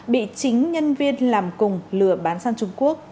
bị chính nhân viên làm cùng lừa bán sang trung quốc